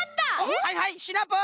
はいはいシナプー！